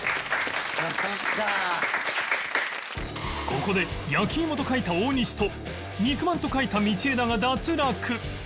ここで焼き芋と書いた大西と肉まんと書いた道枝が脱落